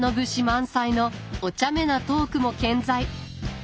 満載のおちゃめなトークも健在。